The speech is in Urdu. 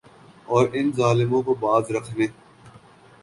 اور ان ظالموں کو باز رکھنے